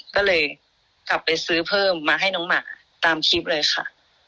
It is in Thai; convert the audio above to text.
ก็เลยกลับไปซื้อเพิ่มมาให้น้องหมาตามคลิปเลยค่ะ